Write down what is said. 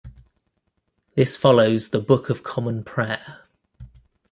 This follows the "Book of Common Prayer".